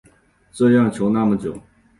这样求那么久